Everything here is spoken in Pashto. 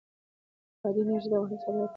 بادي انرژي د افغانستان د صادراتو برخه ده.